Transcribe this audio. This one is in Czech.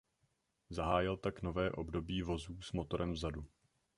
Zahájil tak nové období vozů s motorem vzadu.